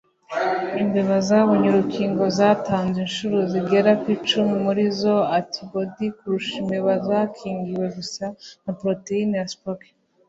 Imbeba zabonye urukingo zatanze inshuro zigera ku icumi muri izo antibodi kurusha imbeba zakingiwe gusa na poroteyine ya spike,